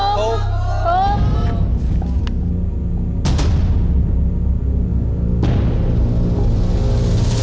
ถูก